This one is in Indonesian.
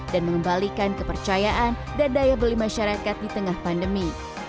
dan mengembalikan kepercayaan dan daya beli masyarakat di tengah pandemi